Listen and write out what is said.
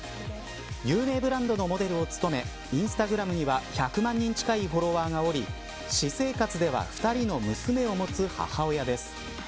有名ブランドのモデルを務めインスタグラムには１００万人近いフォロワーがおり私生活では２人の娘を持つ母親です。